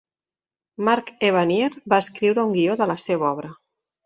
Mark Evanier va escriure un guió de la seva obra.